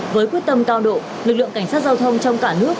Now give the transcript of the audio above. với quyết tâm cao độ lực lượng cảnh sát giao thông trong cả nước